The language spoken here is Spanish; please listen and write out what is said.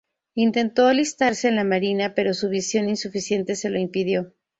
Intentó alistarse en la Marina, pero su visión insuficiente se lo impidió.